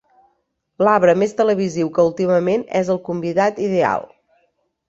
L'arbre més televisiu que últimament és el convidat ideal.